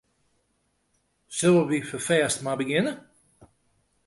Sille wy ferfêst mar begjinne?